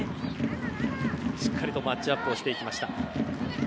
しっかりマッチアップしていきました。